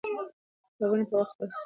کتابونه په وخت سپارل کېږي.